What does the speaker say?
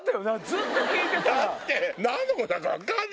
ずっと聴いてたら。